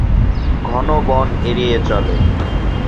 ঘন বন এড়িয়ে চলে।